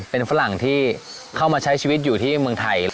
เป็นฝรั่งที่เข้ามาใช้ชีวิตอยู่ที่เมืองไทย